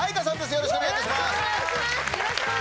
よろしくお願いします。